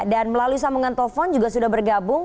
dan melalui sambungan telepon juga sudah bergabung